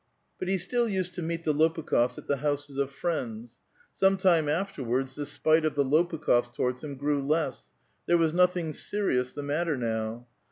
But he still used to meet the Lopukh6fs at the houses of friends. Some time afterwards the spite of the Lopukh6fs towards him grew less ; there was nothing serious the matter now.